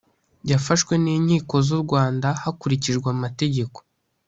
yafashwe n inkiko z u rwanda hakurikijwe amategeko